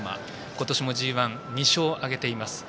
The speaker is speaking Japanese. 今年もＧＩ２勝を挙げています。